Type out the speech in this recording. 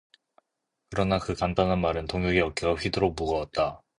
그러나 그 간단한 말은 동혁의 어깨가 휘 도록 무거웠다.